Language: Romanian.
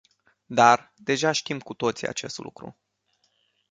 Dar, deja știm cu toții acest lucru.